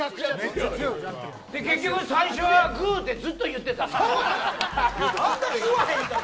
結局、最初はグーってずっと言ってたな。